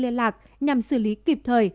liên lạc nhằm xử lý kịp thời